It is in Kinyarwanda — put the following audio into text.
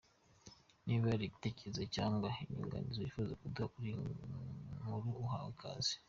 Niba hari igitekerezo cyangwa inyunganizi wifuza kuduha kuri iyi nkuru uhawe ikaze.